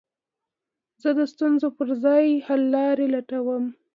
زه د ستونزو پر ځای، حللاري لټوم.